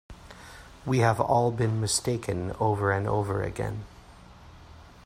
We have all been mistaken over and over again.